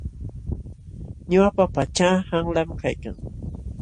Ñuqapa pachaa qanlam kaykan.